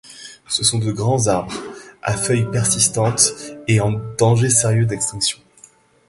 Ce sont de grands arbres, à feuilles persistantes et en danger sérieux d'extinction.